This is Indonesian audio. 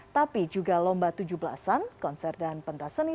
tapi juga lomba tujuh belasan konser dan pentas seni